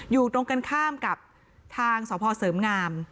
อยู่ตรงกันข้ามกับทางสพเสริมงาม